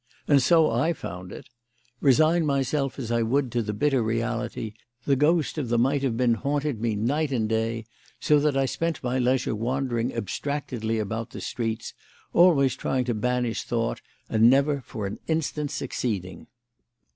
And so I found it. Resign myself as I would to the bitter reality, the ghost of the might have been haunted me night and day, so that I spent my leisure wandering abstractedly about the streets, always trying to banish thought and never for an instant succeeding.